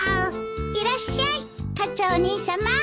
いらっしゃいカツオお兄さま。